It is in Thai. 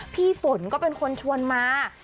พี่ฝนก็เป็นคนชวนมา